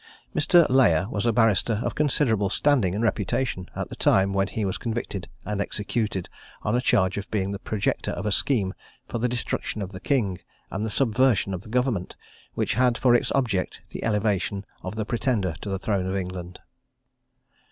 Mr. Layer was a barrister of considerable standing and reputation, at the time when he was convicted and executed on a charge of being the projector of a scheme for the destruction of the king, and the subversion of the government, which had for its object the elevation of the Pretender to the throne of England.